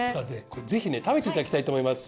ぜひね食べていただきたいと思います。